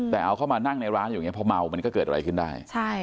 แต่เอาเข้ามานั่งในร้านอย่างนี้พอเมามันก็เกิดอะไรขึ้นได้